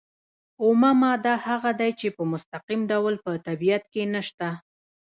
اومه ماده هغه ده چې په مستقیم ډول په طبیعت کې نشته.